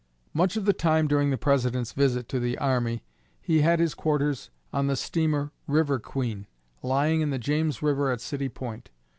Much of the time during the President's visit to the army he had his quarters on the steamer "River Queen," lying in the James river at City Point.